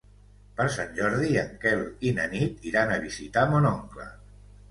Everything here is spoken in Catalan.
Per Sant Jordi en Quel i na Nit iran a visitar mon oncle.